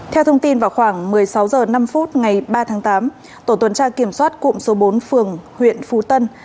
theo thông tin vào khoảng một mươi sáu h năm ngày ba tháng tám tổ tuần tra kiểm soát cụm số bốn phường huyện phú tân